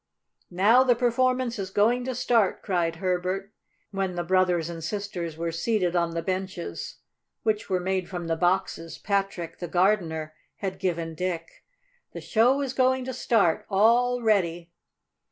"Now the performance is going to start!" cried Herbert, when the brothers and sisters were seated on the benches, which were made from the boxes Patrick, the gardener, had given Dick. "The show is going to start! All ready!"